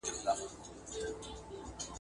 مشفق د مهربان په معنی کارول کېږي